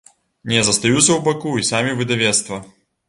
Не застаюцца ў баку і самі выдавецтва.